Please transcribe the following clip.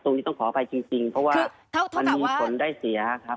ต้องขออภัยจริงเพราะว่ามันมีผลได้เสียครับ